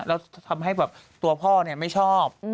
แล้วทำให้แบบตัวพ่อไม่ชอบ